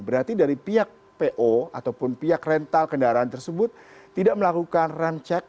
berarti dari pihak po ataupun pihak rental kendaraan tersebut tidak melakukan rem cek